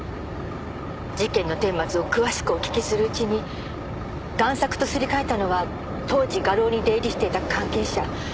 事件の顛末を詳しくお聞きするうちに贋作とすり替えたのは当時画廊に出入りしてた関係者